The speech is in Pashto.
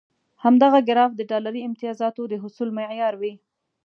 همدغه ګراف د ډالري امتیازاتو د حصول معیار وي.